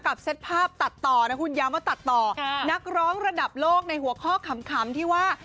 เซตภาพตัดต่อนะคุณย้ำว่าตัดต่อนักร้องระดับโลกในหัวข้อขำที่ว่า